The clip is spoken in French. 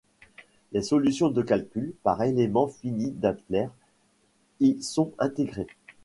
Les solutions de calcul par éléments finis d'Altair y sont intégrées.